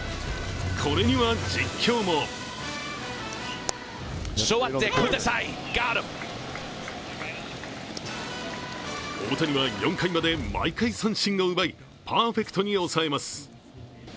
これには実況も大谷は４回まで毎回三振を奪いパーフェクトに抑えます。